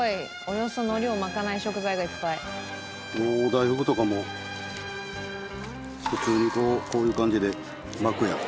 大福とかも普通にこういう感じで巻くやん。